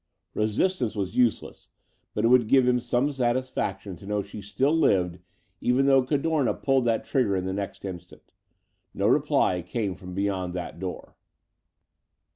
Resistance was useless, but it would give him some satisfaction to know she still lived even though Cadorna pulled that trigger in the next instant. No reply came from beyond that door.